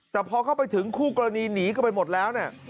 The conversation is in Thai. แต่พอเข้าไปถึงคู่กรณีหนีเข้าไปหมดแล้วเนี่ย